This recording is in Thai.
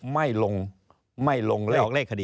ไม่ลงไม่ลงเลข